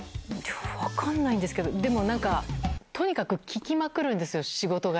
分かんないんですけど、でもなんか、とにかく聞きまくるんですよ、仕事柄。